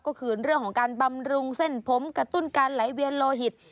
ก็คือเรื่องของการบำรุงเส้นผมกระตุ้นการไหลเวียนโลหิต